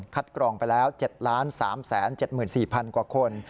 คัดกรองไปแล้ว๗ล้าน๓แสน๗๔พันกว่าคน